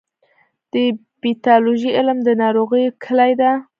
د پیتالوژي علم د ناروغیو کلي ده.